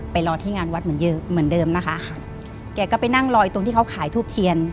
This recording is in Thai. ไปรอที่งานวัดเหมือนเดิมนะคะแกก็ไปนั่งรออีกตรงที่เขาขายทูปเทียน